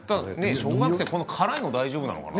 小学生、辛いの大丈夫なのかな。